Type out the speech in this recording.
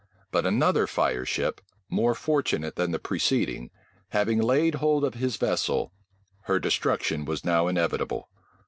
But another fireship, more fortunate than the preceding, having laid hold of his vessel, her destruction was now inevitable.